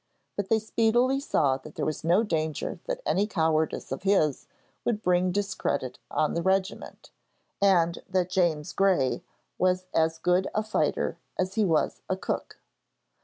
But they speedily saw that there was no danger that any cowardice of his would bring discredit on the regiment, and that 'James Gray' was as good a fighter as he was a cook.